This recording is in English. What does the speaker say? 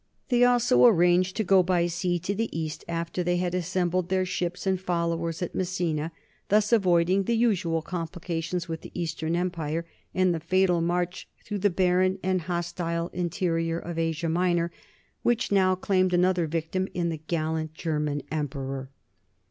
They also arranged to go by sea to the East after they had assembled their ships and followers at Messina, thus avoiding the usual complications with the Eastern Empire and the fatal march through the barren and hostile interior of Asia Minor which now claimed another victim in the gallant German emperor.